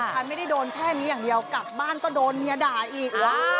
ท่านไม่ได้โดนแค่นี้อย่างเดียวบ้านก็โดนนิยด่าอีก